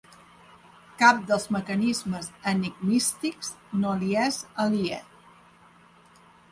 Cap dels mecanismes enigmístics no li és aliè.